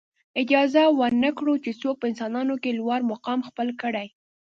اجازه ورنه کړو چې څوک په انسانانو کې لوړ مقام خپل کړي.